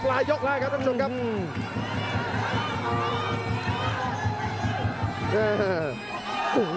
ครับท่านผู้ชมครับ